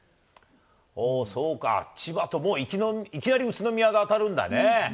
そうか、千葉と、いきなり宇都宮と当たるんだね。